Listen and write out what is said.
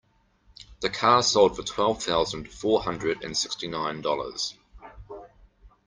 The car sold for twelve thousand four hundred and sixty nine dollars.